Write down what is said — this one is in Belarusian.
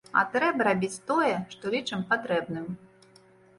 А трэба рабіць тое, што лічым патрэбным.